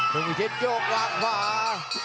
มุมิเทศโยกหลังขวา